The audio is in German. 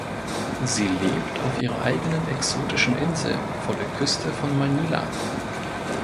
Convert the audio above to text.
Sie lebt auf ihrer eigenen exotischen Insel vor der Küste von Manila.